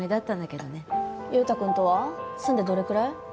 優太くんとは住んでどれくらい？